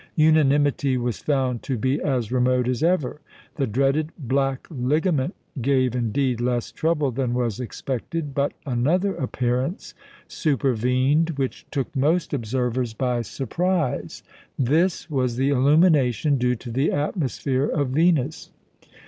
Unanimity was found to be as remote as ever. The dreaded "black ligament" gave, indeed, less trouble than was expected; but another appearance supervened which took most observers by surprise. This was the illumination due to the atmosphere of Venus.